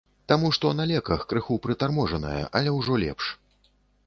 Таму што на леках, крыху прытарможаная, але ўжо лепш.